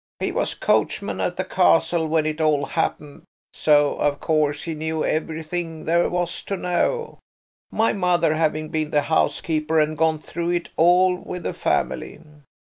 He was coachman at the castle when it all happened, so, of course, he knew everything there was to know, my mother having been the housekeeper and gone through it all with the family.